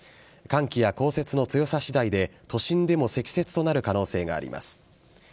寒気や降雪の強さしだいで、都心でも積雪となる可能性があります。